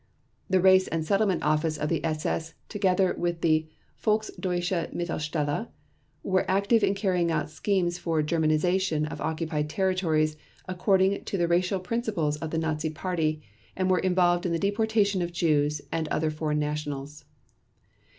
The Race and Settlement Office of the SS together with the Volksdeutschemittelstelle were active in carrying out schemes for Germanization of occupied territories according to the racial principles of the Nazi Party and were involved in the deportation of Jews and other foreign nationals.